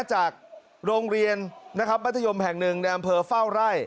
จากโรงเรียนนะครับมัธยมแห่งหนึ่งในอำเภอเฝ้าไร่